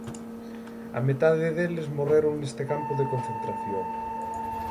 A metade deles morreron neste campo de concentración.